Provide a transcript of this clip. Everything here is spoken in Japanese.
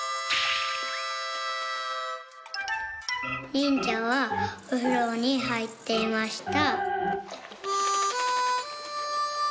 「にんじゃはおふろにはいっていました」。